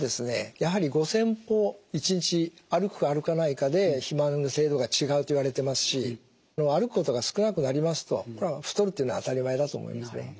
やはり５，０００歩１日歩くか歩かないかで肥満の程度が違うといわれてますし歩くことが少なくなりますと太るというのは当たり前だと思いますね。